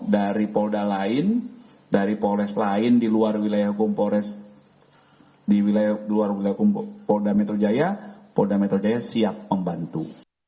dari polda lain dari polres lain di luar wilayah hukum polres di wilayah luar wilayah polda metro jaya polda metro jaya siap membantu